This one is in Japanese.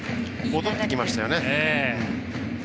戻ってきましたよね。